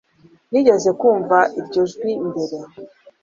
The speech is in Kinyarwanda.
nigeze kumva iryo jwi mbere